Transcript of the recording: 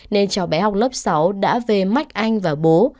nên cháu bé học lớp sáu đã về mách anh và bố